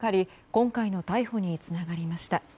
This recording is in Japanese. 今回の逮捕につながりました。